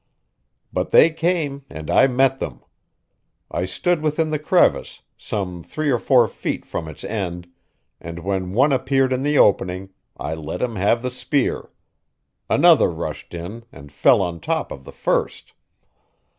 But they came and I met them. I stood within the crevice, some three or four feet from its end, and when one appeared in the opening I let him have the spear. Another rushed in and fell on top of the first.